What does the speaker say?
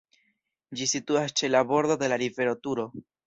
Ĝi situas ĉe la bordo de la rivero Turo.